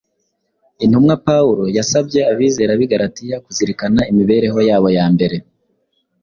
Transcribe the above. Intumwa Pawulo yasabye abizera b’i Galatiya kuzirikana imibereho yabo ya mbere